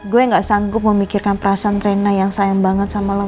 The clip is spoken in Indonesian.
gue gak sanggup memikirkan perasaan trena yang sayang banget sama lo